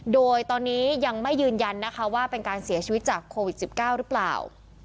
โดยตอนนี้ยังไม่ยืนยันนะคะว่าเป็นการเสียชีวิตจากโควิด๑๙หรือเปล่า